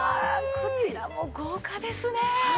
こちらも豪華ですねえ。